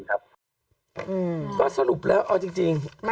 แต่ถามว่าอู๋เดี๋ยวก็กลายเป็นบริเวณช่องเม็กซ์